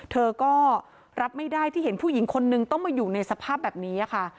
เธอก็รับไม่ได้ที่เห็นผู้หญิงคนนึงต้องมาอยู่ในสภาพแบบนี้ค่ะ